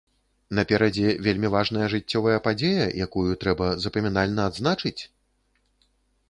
Наперадзе вельмі важная жыццёвая падзея, якую трэба запамінальна адзначыць?